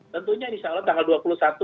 tentunya insya allah tanggal dua puluh satu